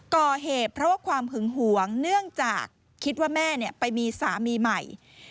ก่อเหตุเพราะว่าความหึงหวงเนื่องจากคิดว่าแม่ไปมีสามีใหม่